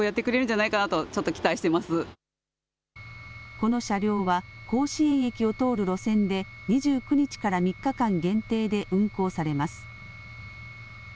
この車両は甲子園駅を通る路線で２９日から３日間限定で運行されます。